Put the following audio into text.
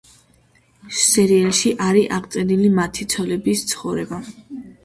სერიალში არის აღწერილი მათი ცოლების ცხოვრება.